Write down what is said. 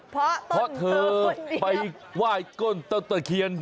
เพราะเธอไปไหว้ก้นต้นตะเคียน